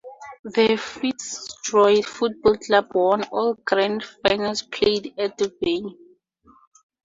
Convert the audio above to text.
The Fitzroy Football Club won all grand finals played at the venue.